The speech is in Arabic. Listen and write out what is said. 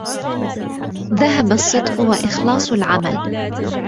ذهب الصدق وإخلاص العمل